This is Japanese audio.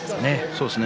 そうですね